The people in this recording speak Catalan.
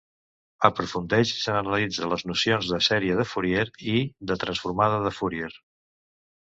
Aprofundeix i generalitza les nocions de sèrie de Fourier i de transformada de Fourier.